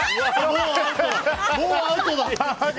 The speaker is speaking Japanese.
もうアウトだ。